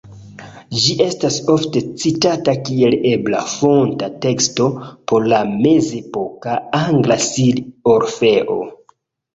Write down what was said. Ĝi estas ofte citata kiel ebla fonta teksto por la mezepoka angla Sir Orfeo.